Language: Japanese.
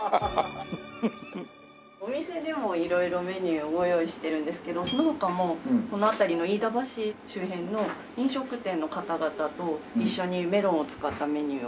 お店でも色々メニューをご用意してるんですけどその他もこの辺りの飯田橋周辺の飲食店の方々と一緒にメロンを使ったメニューを。